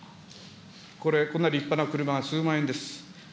これ、こんな立派な車が数万円です。